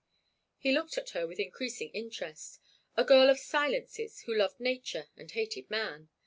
He looked at her with increasing interest—a girl of silences who loved nature and hated man.